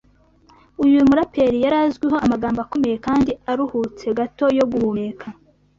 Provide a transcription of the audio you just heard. Uyu muraperi yari azwiho amagambo akomeye kandi aruhutse gato yo guhumeka